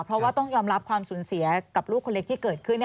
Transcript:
เพราะว่าต้องยอมรับความสูญเสียกับลูกคนเล็กที่เกิดขึ้น